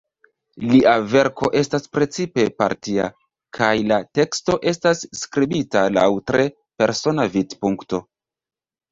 Lia verko estas precipe partia, kaj la teksto estas skribita laŭ tre persona vidpunkto.